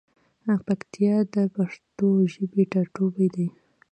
پکتیا د پښتو ژبی ټاټوبی دی.